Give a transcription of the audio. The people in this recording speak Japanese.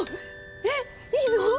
えっいいの？